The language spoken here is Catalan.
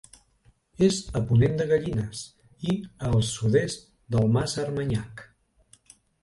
És a ponent de Gallines i al sud-est del Mas Armanyac.